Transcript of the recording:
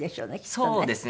そうですね。